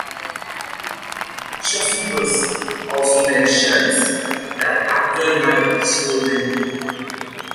Josephus also mentions that Abdon had a peaceful reign.